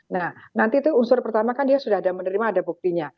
nah nanti itu unsur pertama kan dia sudah menerima ada buktinya